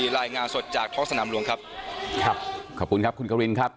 รายงานสดจากท้องสนามหลวงครับครับขอบคุณครับคุณควินครับ